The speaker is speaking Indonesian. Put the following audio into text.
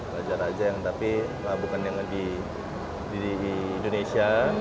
raja raja yang tapi bukan yang di indonesia